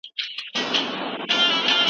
د نورو په مال سترګې مه پټوئ.